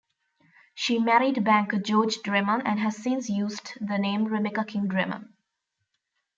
She married banker George Dreman and has since used the name Rebecca King Dreman.